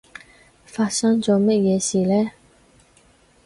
發生咗咩嘢事呢？